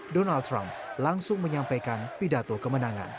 donald trump langsung menyampaikan pidato kemenangan